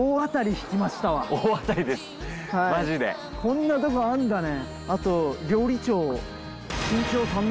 こんなとこあるんだね。